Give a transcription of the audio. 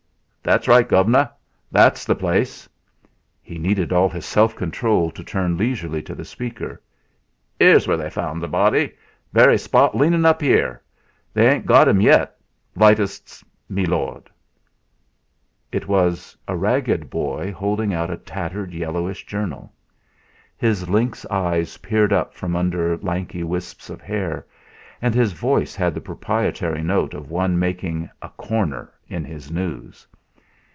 "That's right, gov'nor! That's the place!" He needed all his self control to turn leisurely to the speaker. "'Ere's where they found the body very spot leanin' up 'ere. They ain't got 'im yet. Lytest me lord!" It was a ragged boy holding out a tattered yellowish journal. His lynx eyes peered up from under lanky wisps of hair, and his voice had the proprietary note of one making "a corner" in his news.